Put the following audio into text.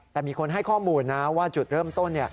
แต่มีคนให้ข้อมูลนะว่าจุดเริ่มต้น